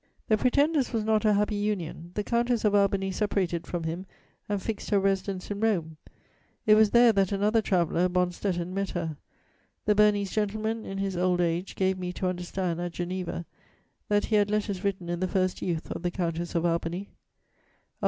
The Pretender's was not a happy union; the Countess of Albany separated from him and fixed her residence in Rome: it was there that another traveller, Bonstetten, met her; the Bernese gentleman, in his old age, gave me to understand, at Geneva, that he had letters written in the first youth of the Countess of Albany.